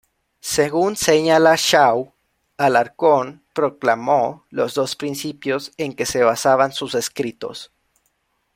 Según señala Shaw, Alarcón proclamó los dos principios en que se basaban sus escritos.